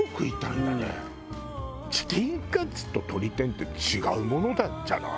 チキンカツととり天って違うものじゃない？